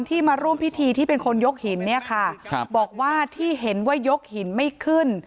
มาร่วมพิธีที่เป็นคนยกหินเนี่ยค่ะครับบอกว่าที่เห็นว่ายกหินไม่ขึ้น